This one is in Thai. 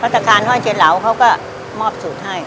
พรรดิศพัฒการณ์ฮ่อนเจนเหลาเขาก็มอบสูตรให้